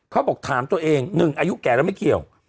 เขาบอกถามตัวเอง๑อายุแก่แล้วไม่เกี่ยว